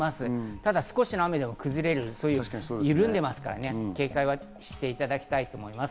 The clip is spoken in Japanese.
ただ少しの雨でも崩れる、緩んでいますから警戒していただきたいと思います。